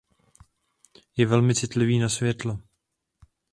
Je velmi citlivý na světlo.